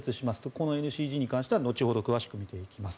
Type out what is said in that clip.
このＮＣＧに関しては後ほど詳しく見ていきます。